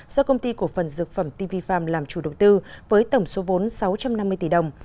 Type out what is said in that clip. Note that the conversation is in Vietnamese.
do công ty cổ phần dược phẩm tv farm làm chủ đầu tư với tổng số vốn sáu trăm năm mươi tỷ đồng